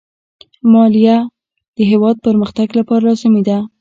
مالیه د هېواد پرمختګ لپاره لازمي ده.